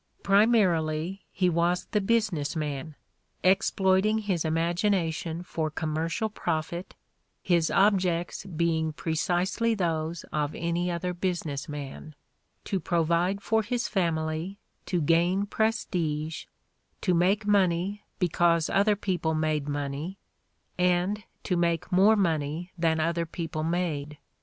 Primarily, he was the business man, exploiting his imagination for commercial profit, his objects being precisely those of any other business man — to provide for his family, to gain prestige, to make money because other people made money and to make more money than other people made.